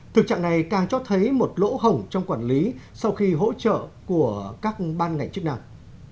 thực trạng này càng cho thấy một lỗ hổng trong quản lý sau khi hỗ trợ của các ban ngành chức năng